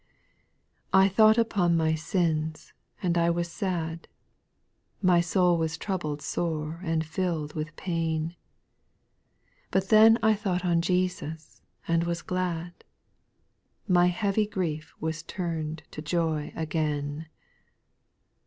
T THOUGHT upon my sins, and I was sad, X My soul was troubled sore and fill'd with pain; But then I thought on Jesus, and was glad, My heavy grief was tum'd to joy again.